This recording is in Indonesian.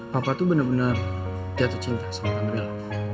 papa tuh bener bener jatuh cinta sama kamril